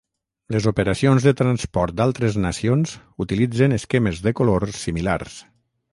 Les operacions de transport d'altres nacions utilitzen esquemes de color similars.